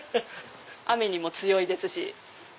雨にも強いですし。